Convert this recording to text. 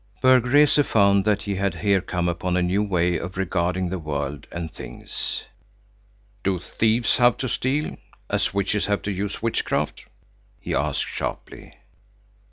Berg Rese found that he had here come upon a new way of regarding the world and things. "Do thieves have to steal, as witches have to use witchcraft?" he asked sharply.